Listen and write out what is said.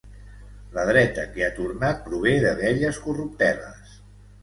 la dreta que ha tornat prové de velles corrupteles